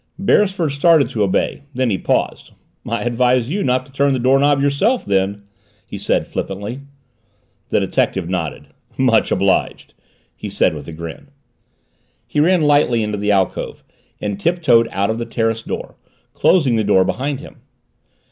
Beresford started to obey. Then he paused. "I advise you not to turn the doorknob yourself, then," he said flippantly. The detective nodded. "Much obliged," he said, with a grin. He ran lightly into the alcove and tiptoed out of the terrace door, closing the door behind him.